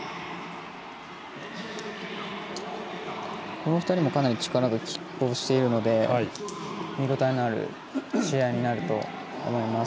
この２人もかなり力がきっ抗しているので見応えのある試合になると思います。